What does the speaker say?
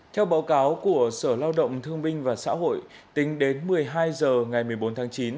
theo báo cáo của sở lao động thương binh và xã hội tính đến một mươi hai h ngày một mươi bốn tháng chín